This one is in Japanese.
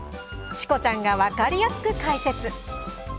チコちゃんが分かりやすく解説。